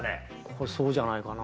これそうじゃないかな。